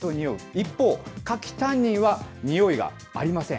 一方、柿タンニンはにおいがありません。